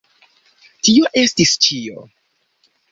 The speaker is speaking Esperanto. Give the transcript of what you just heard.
Tio estis ĉio.